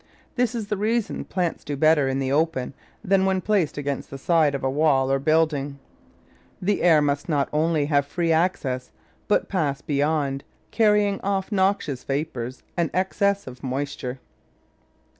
This is the reason plants do better in the open than when placed against the side of a wall or building — the air must not only have free access, but pass beyond, carrying off noxious vapours and excess of moisture.